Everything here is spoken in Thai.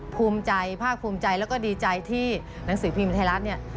ภาคภูมิใจและก็ดีใจที่หนังสือพิมพ์ไทยรัฐ